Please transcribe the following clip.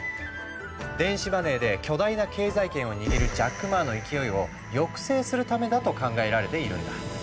電子マネーで巨大な経済圏を握るジャック・マーの勢いを抑制するためだと考えられているんだ。